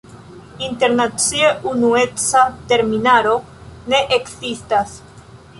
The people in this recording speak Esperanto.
Internacie unueca terminaro ne ekzistas.